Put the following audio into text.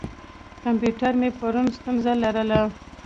کمپیوټر مې پرون ستونزه لرله.